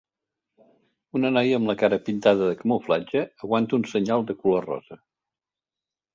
Una noia amb la cara pintada de camuflatge aguanta un senyal de color rosa.